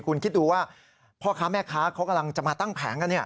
คุณคิดดูว่าพ่อค้าแม่ค้าเขากำลังจะมาตั้งแผงกัน